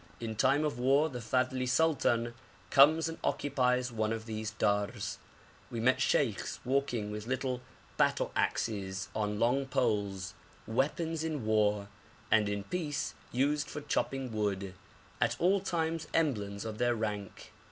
In time of war the Fadhli sultan comes and occupies one of these dars. We met sheikhs walking with little battle axes on long poles weapons in war, and in peace used for chopping wood, at all times emblems of their rank.